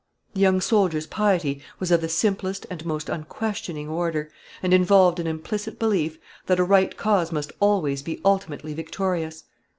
The young soldier's piety was of the simplest and most unquestioning order, and involved an implicit belief that a right cause must always be ultimately victorious.